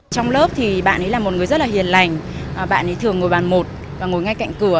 trong lớp thì bạn ấy là một người rất là hiền lành bạn ấy thường ngồi bàn một và ngồi ngay cạnh cửa